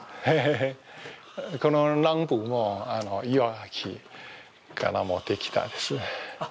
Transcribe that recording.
このランプもいわきから持ってきたんです。